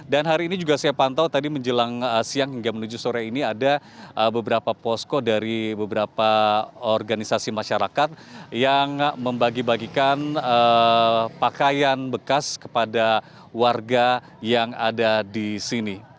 dan hari ini juga saya pantau tadi menjelang siang hingga menuju sore ini ada beberapa posko dari beberapa organisasi masyarakat yang membagi bagikan pakaian bekas kepada warga yang ada di sini